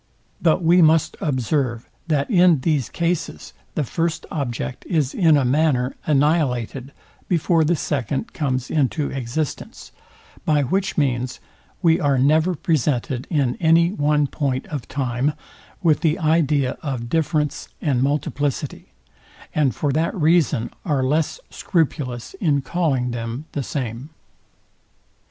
But we must observe, that in these cases the first object is in a manner annihilated before the second comes into existence; by which means, we are never presented in any one point of time with the idea of difference and multiplicity: and for that reason are less scrupulous in calling them the same.